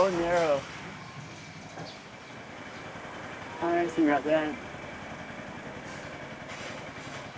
はいすみません。